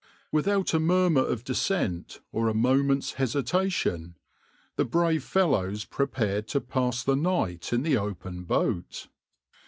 \par Without a murmur of dissent or a moment's hesitation, the brave fellows prepared to pass the night in the open boat.